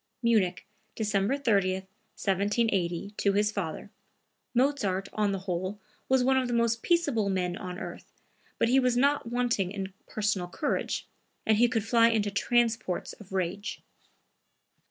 (Munich, December 30, 1780, to his father. Mozart, on the whole, was one of the most peaceable men on earth, but he was not wanting in personal courage, and he could fly into transports of rage.)